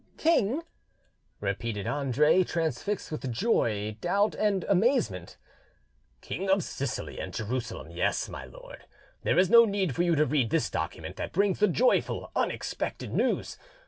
"King!" repeated Andre, transfixed with joy, doubt, and amazement. "King of Sicily and Jerusalem: yes, my lord; there is no need for you to read this document that brings the joyful, unexpected news.